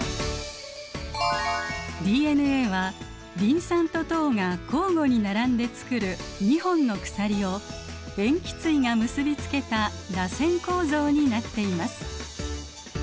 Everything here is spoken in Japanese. ＤＮＡはリン酸と糖が交互に並んでつくる２本の鎖を塩基対が結び付けたらせん構造になっています。